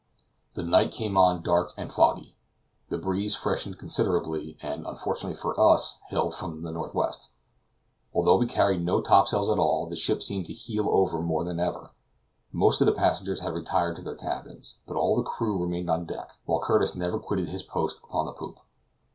The night came on dark and foggy. The breeze freshened considerably, and, unfortunately for us, hailed from the northwest. Although we carried no topsails at all, the ship seemed to heel over more than ever. Most of the passengers had retired to their cabins, but all the crew remained on deck, while Curtis never quitted his post upon the poop.